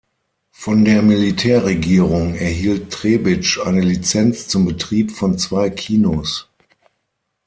Von der Militärregierung erhielt Trebitsch eine Lizenz zum Betrieb von zwei Kinos.